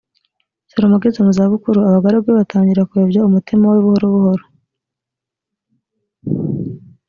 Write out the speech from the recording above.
salomo ageze mu za bukuru abagaragu be batangira kuyobya umutima we buhoro buhoro